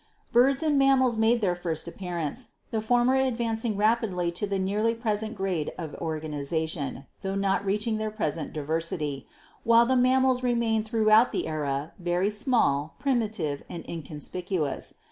Birds and Mammals made their first appearance, the former advancing rapidly to nearly their present grade of organization, tho not reaching their present diversity, while the mammals remained throughout the era very small, primitive and inconspicuous.